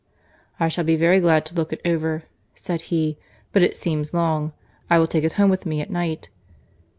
"I shall be very glad to look it over," said he; "but it seems long. I will take it home with me at night."